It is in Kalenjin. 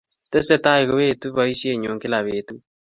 Tesetai koetu poisyennyu kila petut